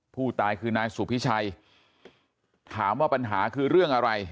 ผู้ตายคือนายสุพิชัยถามว่าปัญหาคือเรื่องอะไร